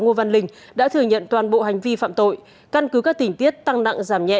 ngô văn linh đã thừa nhận toàn bộ hành vi phạm tội căn cứ các tỉnh tiết tăng nặng giảm nhẹ